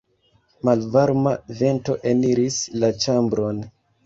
Malvarma vento eniris la ĉambron.